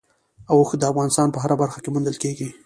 اوښ د افغانستان په هره برخه کې موندل کېږي.